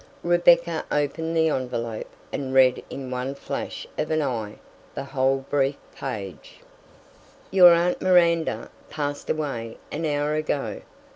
Rebecca opened the envelope and read in one flash of an eye the whole brief page: Your aunt Miranda passed away an hour ago.